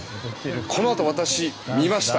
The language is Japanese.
このあと、私見ました。